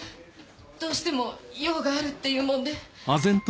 どうしても用があるっていうもんで。